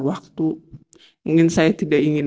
waktu ingin saya tidak ingin